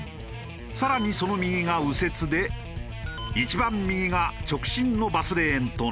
更にその右が右折で一番右が直進のバスレーンとなっている。